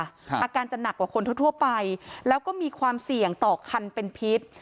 อาการจะหนักกว่าคนทั่วไปแล้วก็มีความเสี่ยงต่อคันเป็นพิษ